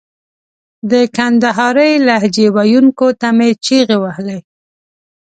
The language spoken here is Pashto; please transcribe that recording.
د کندهارۍ لهجې ویونکو ته مې چیغې وهلې.